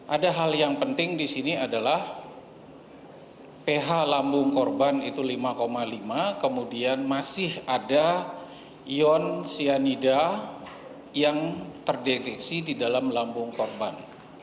ada hal yang penting di sini adalah ph lambung korban itu lima lima kemudian masih ada ion cyanida yang terdeteksi di dalam lambung korban